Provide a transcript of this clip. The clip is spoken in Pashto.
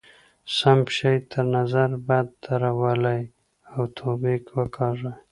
سم شی تر نظر بد درولئ او توبې وکاږئ.